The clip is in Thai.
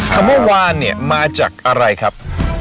คำว่าวานเนี่ยมาจากอะไรครับ